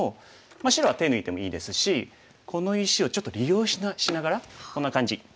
白は手抜いてもいいですしこの石をちょっと利用しながらこんな感じ。